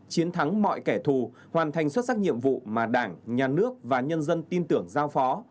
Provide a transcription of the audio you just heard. chiến thắng mọi kẻ thù hoàn thành xuất sắc nhiệm vụ mà đảng nhà nước và nhân dân tin tưởng giao phó